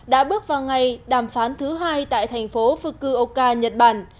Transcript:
đã bước vào ngày đàm phán thứ hai tại thành phố fukuoka nhật bản